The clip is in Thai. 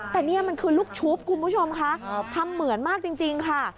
แต่นี่มันคือลูกชุบคุณผู้ชมคะทำเหมือนมากจริงค่ะ